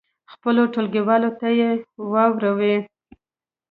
خپلو ټولګیوالو ته یې واوروئ.